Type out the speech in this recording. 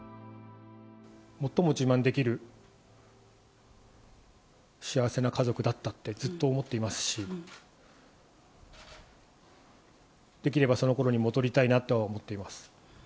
最も自慢できる幸せな家族だったってずっと思っていますし、できればその頃に戻りたいなとは思っています。